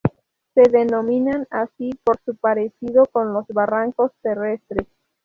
Se denominan así por su parecido con los barrancos terrestres.